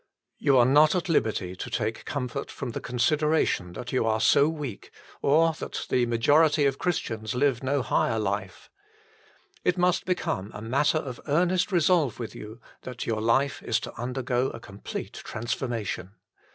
You are not at liberty to take comfort from the consideration that you are so weak, or that the majority of Christians live no higher life. It must become a matter of earnest resolve with you that your life is to HOW IT IS TO BE FOUND BY ALL 157 undergo a complete transformation.